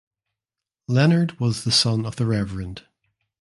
Leonard was the son of the Rev.